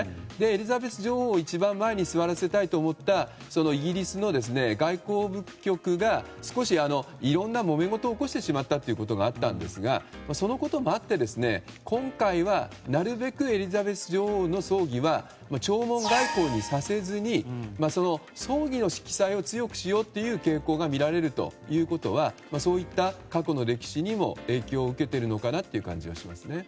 エリザベス女王を一番前に座らせたいと思ったイギリスの外交部局が少しいろんなもめ事を起こしてしまったことがあったんですがそのこともあって、今回はなるべくエリザベス女王の葬儀は弔問外交にさせずに葬儀の色彩を強くしようという傾向が見られるということはそういった過去の歴史にも影響を受けているのかなという感じがしますよね。